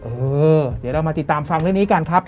เออเดี๋ยวเรามาติดตามฟังเรื่องนี้กันครับ